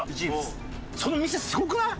その店すごくない？